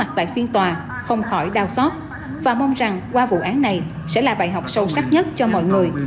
tại phiên tòa không khỏi đau xót và mong rằng qua vụ án này sẽ là bài học sâu sắc nhất cho mọi người